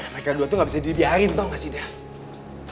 mereka dua tuh gak bisa dibiarin tau gak sih dev